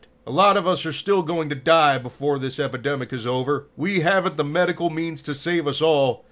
A lot of us are still going to die before the epidemic is over. We haven't the medical means to save us all.